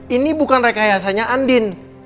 ini bukan rekayasanya andin